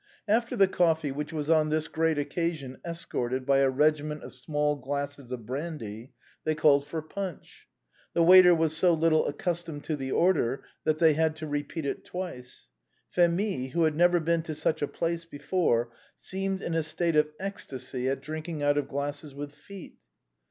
After the coffee, which was on this great occasion escorted by a regiment of small glasses of brandy, they called for punch. The waiter was so little accus tomed to the order, that they had to repeat it twice. Phémie, who had never been in such a place before, seemed in a state of ecstasy at drinking out of glasses with feet.